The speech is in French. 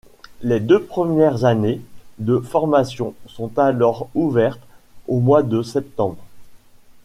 Les deux premières années de formation sont alors ouvertes au mois de septembre.